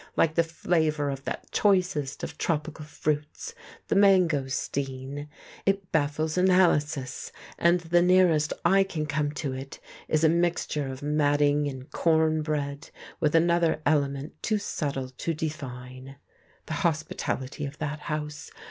Like the flavour of that choicest of tropical fruits, the mangosteen, it baffles analysis, and the nearest I can come to it is a mixture of matting and corn bread, with another element too subtle to define. The hospitality of that house!